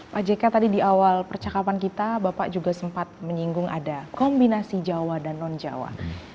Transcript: pak jk tadi di awal percakapan kita bapak juga sempat menyinggung ada kombinasi jawa dan non jawa